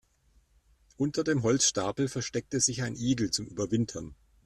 Unter dem Holzstapel versteckte sich ein Igel zum Überwintern.